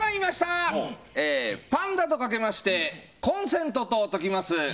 パンダとかけましてコンセントとときます。